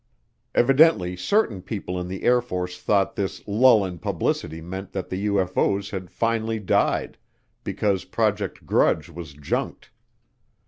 Evidently certain people in the Air Force thought this lull in publicity meant that the UFO's had finally died because Project Grudge was junked.